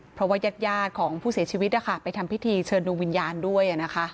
เพราะว่ายาดของผู้เสียชีวิตไปทำพิธีเชิญดวงวิญญาณด้วย